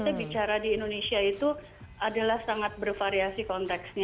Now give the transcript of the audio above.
saya bicara di indonesia itu adalah sangat bervariasi konteksnya